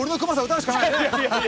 歌うしかないね。